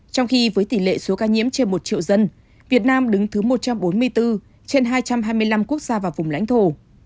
trong khi với tỷ lệ số ca nhiễm trên một triệu dân việt nam đứng thứ một trăm bốn mươi bốn trên hai trăm hai mươi năm quốc gia và vùng lãnh thổ